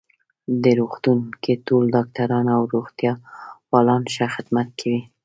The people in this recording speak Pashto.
دې روغتون کې ټول ډاکټران او روغتیا پالان ښه خدمت کوی